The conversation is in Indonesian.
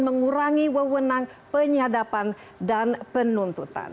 mengurangi wewenang penyadapan dan penuntutan